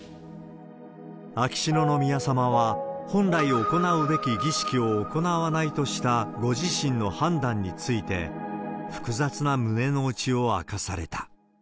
秋篠宮さまは、本来行うべき儀式を行わないとしたご自身の判断について、複雑な胸の内を明かされた。